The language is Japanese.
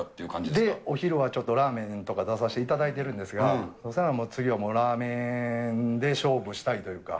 で、お昼はちょっとラーメンとか出させていただいているんですが、それはもう、次はラーメンで勝負したいというか。